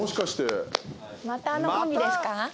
またあのコンビですか？